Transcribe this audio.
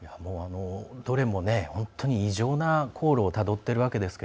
どれも本当に異常な航路をたどってるわけですが。